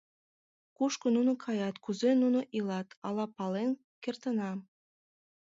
Кушко нуно каят, кузе нуно илат — ала пален кертына.